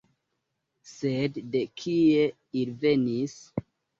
Sed de kie ili venis?